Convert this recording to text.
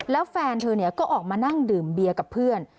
แล้วแฟนเธอก็ออกมานั่งดื่มเบียร์กับเพื่อน